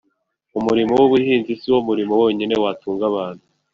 umurimo w' ubuhinzi siwo murimo wonyine watunga abantu